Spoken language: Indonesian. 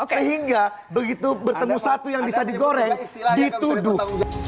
sehingga begitu bertemu satu yang bisa digoreng dituduh